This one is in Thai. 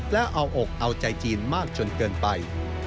และเอาอกเอาใจจีนมากจนเกินไป